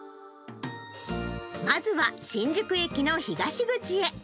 まずは新宿駅の東口へ。